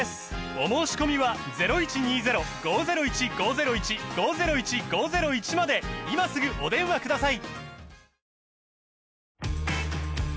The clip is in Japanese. お申込みは今すぐお電話ください